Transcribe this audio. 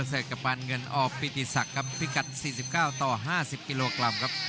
สวัสดีครับ